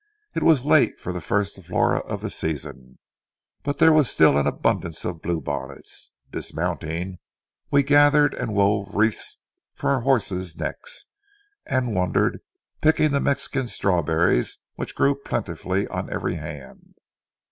It was late for the first flora of the season, but there was still an abundance of blue bonnets. Dismounting, we gathered and wove wreaths for our horses' necks, and wandered picking the Mexican strawberries which grew plentifully on every hand.